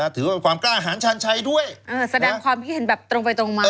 ถือว่าความกล้าหารชาญชัยด้วยแสดงความคิดเห็นแบบตรงไปตรงมา